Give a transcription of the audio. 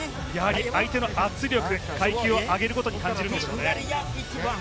相手の圧力、階級を上げるごとに感じるんでしょうね。